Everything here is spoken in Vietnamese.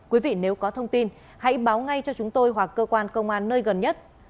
quý vị nếu có thông tin hãy báo ngay cho chúng tôi hoặc cơ quan công an nơi gần nhất